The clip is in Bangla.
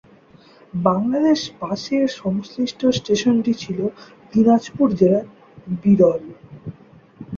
বাংলাদেশ পাশের সংশ্লিষ্ট স্টেশনটি ছিল দিনাজপুর জেলার বিরল।